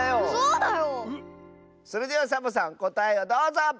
それではサボさんこたえをどうぞ！